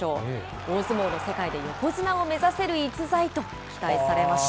大相撲の世界で横綱を目指せる逸材と期待されました。